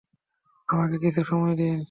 আমাকে কিছু সময় দিন।